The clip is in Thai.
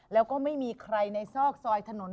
แล้วก็ไม่มีใครในซอกซอยถนน